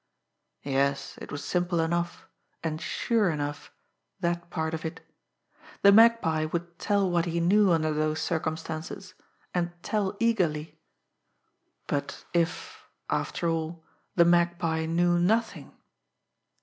Yes; it was simple enough, and sure enough that part of it. The Magpie would tell what he knew under those circumstances and tell eagerly. But if, after all, the Magpie knew nothing!